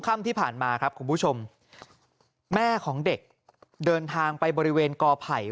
ค่ำที่ผ่านมาครับคุณผู้ชมแม่ของเด็กเดินทางไปบริเวณกอไผ่